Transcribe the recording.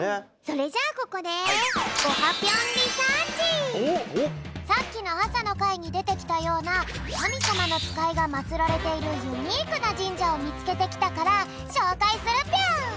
それじゃあここでさっきのあさのかいにでてきたようなかみさまのつかいがまつられているユニークなじんじゃをみつけてきたからしょうかいするぴょん！